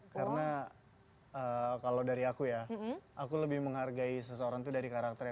karena kalau dari aku ya aku lebih menghargai seseorang itu dari karakternya